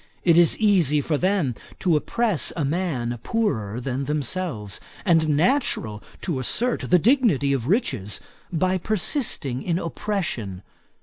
It is easy for them to oppress a man poorer than themselves; and natural to assert the dignity of riches, by persisting in oppression.